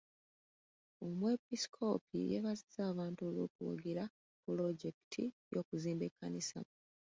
Omwepiskoopi yeebazizza abantu olw'okuwagira pulojekiti y'okuzimba ekkanisa.